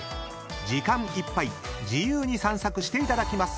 ［時間いっぱい自由に散策していただきます］